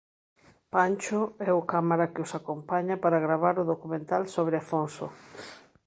Pancho é o cámara que os acompaña para gravar o documental sobre Afonso.